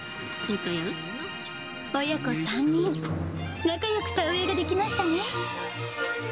親子３人、仲よく田植えができましたね。